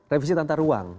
revisi tata ruang